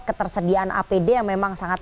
ketersediaan apd yang memang sangat